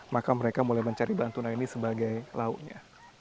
maka mereka mulai mencari bantunang ini sebagai launya